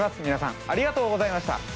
みなさんありがとうございました。